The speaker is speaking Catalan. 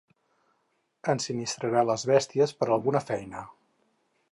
Ensinistrarà les bèsties per a alguna feina.